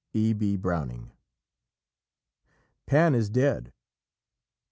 E. B. Browning. Pan is dead.